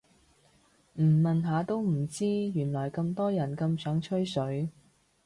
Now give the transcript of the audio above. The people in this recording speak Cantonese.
唔問下都唔知原來咁多人咁想吹水